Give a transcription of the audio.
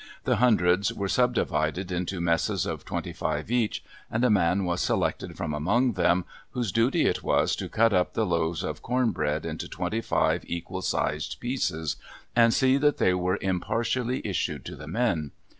The hundreds were subdivided into messes of twenty five each, and a man was selected from among them whose duty it was to cut up the loaves of corn bread into twenty five equal sized pieces, and see that they were impartially issued to the men.